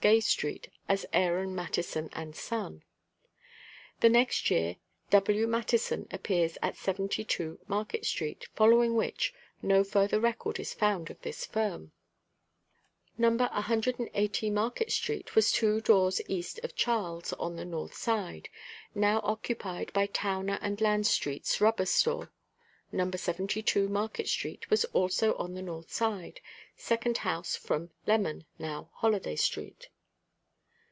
Gay street as Aaron Mattison & Son. The next year W. Mattison appears at 72 Market street, following which no further record is found of this firm. No. 180 Market street was two doors east of Charles, on the north side, now occupied by Towner & Landstreet's Rubber store. No. 72 Market street was also on the north side, second house east from Lemon, now Holliday street.